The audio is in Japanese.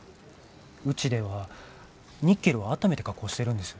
うちではニッケルはあっためて加工してるんです。